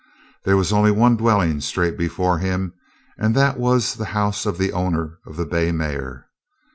There was only one dwelling straight before him, and that was the house of the owner of the bay mare.